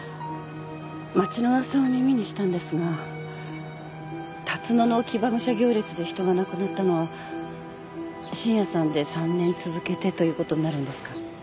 町の噂を耳にしたんですが龍野の騎馬武者行列で人が亡くなったのは信也さんで３年続けてということになるんですか？